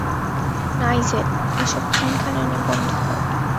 Nigel, এসব খানখ্যানানি বন্ধ কর।